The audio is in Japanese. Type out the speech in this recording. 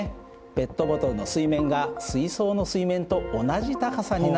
ペットボトルの水面が水槽の水面と同じ高さになって止まりました。